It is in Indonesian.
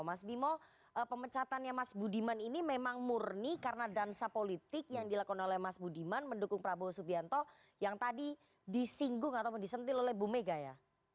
mas bimo pemecatannya mas budiman ini memang murni karena dansa politik yang dilakukan oleh mas budiman mendukung prabowo subianto yang tadi disinggung atau disentil oleh bu mega ya